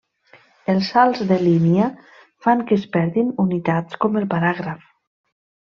Els salts de línia fan que es perdin unitats com el paràgraf.